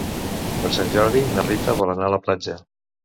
Per Sant Jordi na Rita vol anar a la platja.